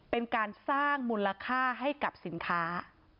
เป็นการสร้างมูลค่าให้กับสินค้า